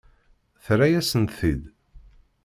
Terra-yasent-t-id?